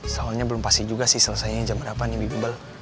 soalnya belum pasti juga sih selesainya jam berapa nyemible